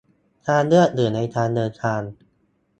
- ทางเลือกอื่นในการเดินทาง